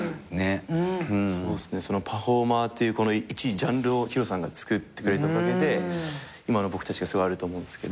パフォーマーっていういちジャンルをＨＩＲＯさんがつくってくれたおかげで今の僕たちがあると思うんですけど。